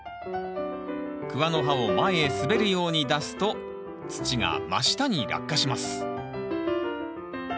クワの刃を前へ滑るように出すと土が真下に落下します。